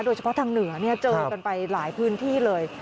โดยเฉพาะทางเหนือเจอกันไปหลายพื้นที่เลย